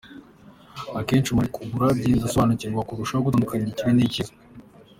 Akenshi iyo umuntu ari gukura agenda asobanukirwa kurushaho gutandukanya ikibi n’icyiza.